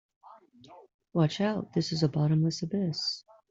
Watch out, this is a bottomless abyss!